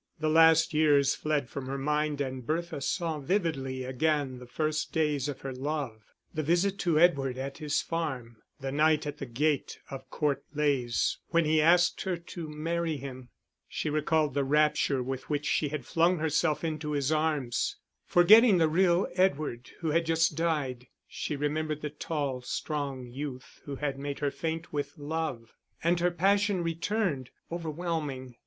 The last years fled from her mind and Bertha saw vividly again the first days of her love, the visit to Edward at his farm, the night at the gate of Court Leys when he asked her to marry him. She recalled the rapture with which she had flung herself into his arms. Forgetting the real Edward who had just died, she remembered the tall strong youth who had made her faint with love; and her passion returned, overwhelming.